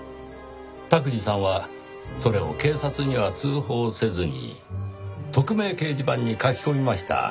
卓司さんはそれを警察には通報せずに匿名掲示板に書き込みました。